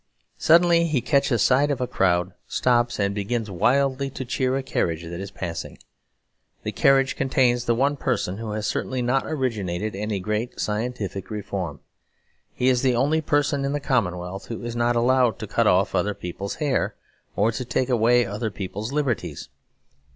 Suddenly he catches sight of a crowd, stops, and begins wildly to cheer a carriage that is passing. The carriage contains the one person who has certainly not originated any great scientific reform. He is the only person in the commonwealth who is not allowed to cut off other people's hair, or to take away other people's liberties.